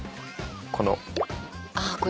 この。